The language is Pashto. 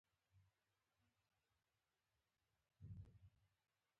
انګور د افغانستان د شنو سیمو ښکلا ده.